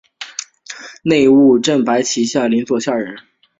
内务府正白旗满洲佐领下人。